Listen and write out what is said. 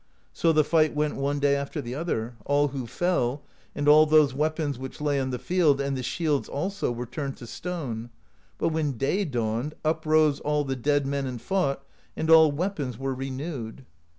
So the fight went one day after the other: all who fell, and all those weapons which lay on the field, and the shields also, were turned to stone; but when day dawned, up rose all the dead men and fought, and all weapons were renewed.